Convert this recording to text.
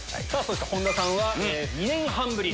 本田さんは２年半ぶり。